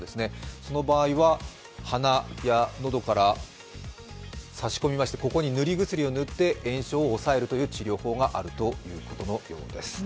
その場合は鼻や喉から差し込みましてここに塗り薬を塗って炎症を抑えるという治療法があるということです。